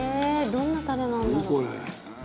どんなタレなんだろう？」